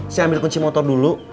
saya ambil kunci motor dulu